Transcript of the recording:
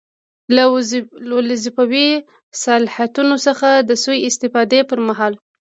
له وظیفوي صلاحیتونو څخه د سوء استفادې پر مهال.